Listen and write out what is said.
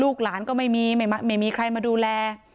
หลานก็ไม่มีไม่มีใครมาดูแล